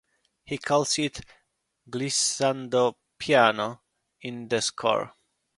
He calls it "Glissando-piano" in the score.